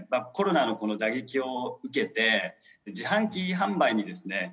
コロナの打撃を受けて自販機販売にですね